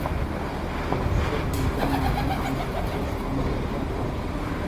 Este în primul rând un succes conservator.